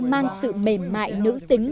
mang sự mềm mại nữ tính